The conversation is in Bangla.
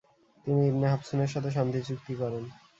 তিনি ইবনে হাফসুনের সাথে শান্তিচুক্তি করেন।